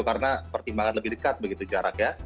karena pertimbangan lebih dekat begitu jaraknya